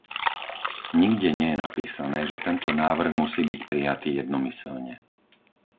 Nikde nie je napísané, že tento návrh musí byť prijatý jednomyseľne.